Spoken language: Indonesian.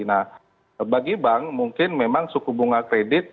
nah bagi bank mungkin memang suku bunga kredit